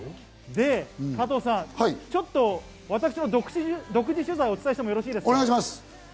で、加藤さん私の独自取材をお伝えしてよろしいですか？